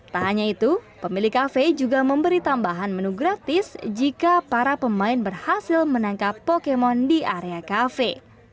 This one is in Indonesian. tak hanya itu pemilik kafe juga memberi tambahan menu gratis jika para pemain berhasil menangkap pokemon di area kafe